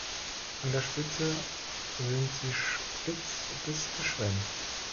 An der Spitze sind sie spitz bis geschwänzt.